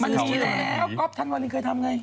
มันมีแล้วครอบท่านวันนี้เคยทำไง